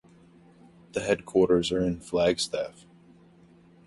The headquarters are in Flagstaff.